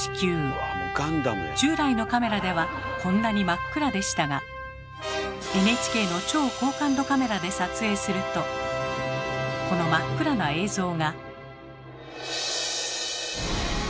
従来のカメラではこんなに真っ暗でしたがＮＨＫの超高感度カメラで撮影するとこの真っ暗な映像が。